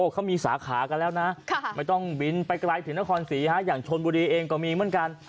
เขามีสาขากันแล้วนะไม่ต้องบินไปไกลถึงนครศรีอย่างชนบุรีเองก็มีเหมือนกัน